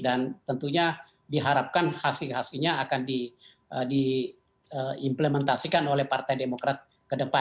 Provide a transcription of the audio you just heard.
dan tentunya diharapkan hasil hasilnya akan diimplementasikan oleh partai demokrat ke depan